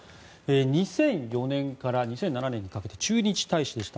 ２００４年から２００７年にかけて、駐日大使でした。